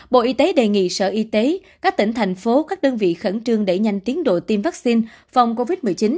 bộ y tế đề nghị sở y tế các tỉnh thành phố các đơn vị khẩn trương đẩy nhanh tiến độ tiêm vaccine phòng covid một mươi chín